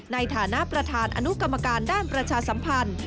ในฐานะประธานอนุกรรมการด้านประชาสัมพันธ์